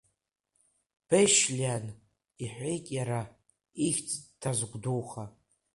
Бешь-льан, – иҳәеит иара, ихьӡ дазгәдуха.